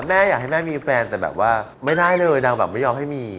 แม่อยากให้แม่มีแฟนแต่แบบว่าไม่ได้เลยนางแบบไม่ยอมให้มี